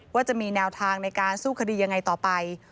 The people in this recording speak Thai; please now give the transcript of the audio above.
ว่าจะมีแนวทางในการสู้คดียังไงต่อไป